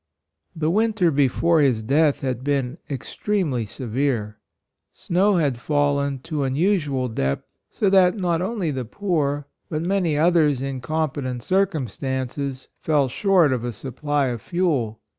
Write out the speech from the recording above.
The winter before his death had been extremely severe. Snow had fallen to an usual depth, so that, not only the poor, but many others in competent circumstances fell short of a supply of fuel.